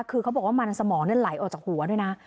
คือเขาบอกว่ามันสมองไหลออกจากหัวด้วยนะ